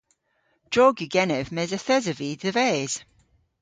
Drog yw genev mes yth esov vy dhe-ves.